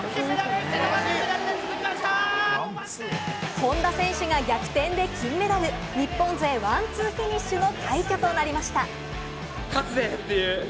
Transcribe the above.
本多選手が逆転で金メダル、日本勢ワンツーフィニッシュの快挙となりました。